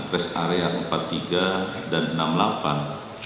rest area empat puluh tiga dan enam puluh delapan